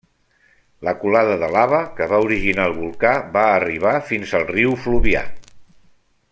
La colada de lava que va originar el volcà va arribar fins al riu Fluvià.